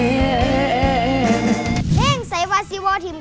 อยากเป็นคุณหมอเป็นพยาบาลอยากเป็นครู